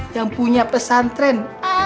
yang punya pesantren